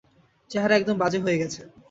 চেহারা একদম বাজে হয়ে গেছে।